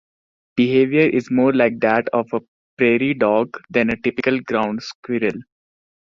Behavior is more like that of a prairie dog than a typical ground squirrel.